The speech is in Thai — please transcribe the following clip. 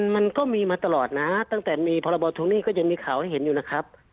มันก็มีมาตลอดนะตั้งแต่มีพรบทวงหนี้ก็ยังมีข่าวให้เห็นอยู่นะครับ